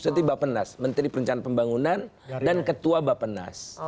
jadi bapak nas menteri perencanaan pembangunan dan ketua bapak nas